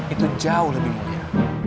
itu jauh lebih mulia